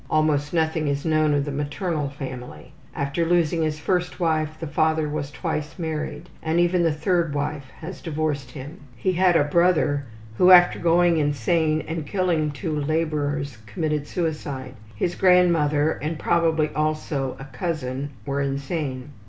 Almost nothing is known of the maternal family. After losing his first wife, the father was twice remarried, and even the third wife has divorced him. He had a brother who, after going insane and killing two laborers, committed suicide. His grandmother, and probably also a cousin, were insane.